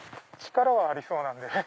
力はありそうなんで。